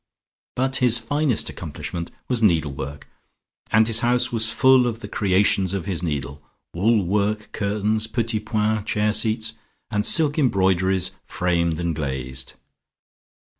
But his finest accomplishment was needlework and his house was full of the creations of his needle, wool work curtains, petit point chair seats, and silk embroideries framed and glazed.